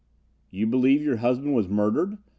"You believe your husband was murdered?"